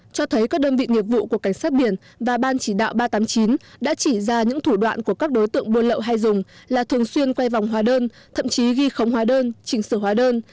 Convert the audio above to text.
cho thấy các đơn vị nghiệp vụ của cảnh sát biển và ban chỉ đạo ba trăm tám mươi chín đã chỉ ra những thủ đoạn của các đối tượng buôn lậu hay dùng là thường xuyên quay vòng hóa đơn thậm chí ghi khống hóa đơn chỉnh sửa hóa đơn